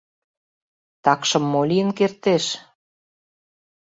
Такшым мо лийын кертеш?